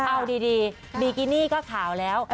เอาดีโบคินีขาวแล้ว